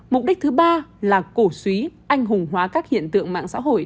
mục đích thứ ba là cổ suý anh hùng hóa các hiện tượng mạng xã hội